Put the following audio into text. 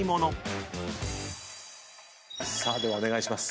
さあではお願いします。